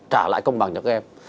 trả lại công bằng cho các em